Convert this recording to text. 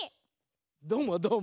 どうもどうも。